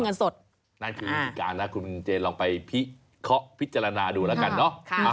นานคือการนะคุณเจียนลองไปข้อพิจารณาดูแล้วกันเนาะ